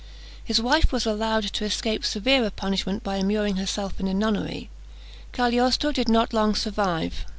His wife was allowed to escape severer punishment by immuring herself in a nunnery. Cagliostro did not long survive.